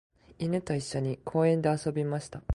犬と一緒に公園で遊びました。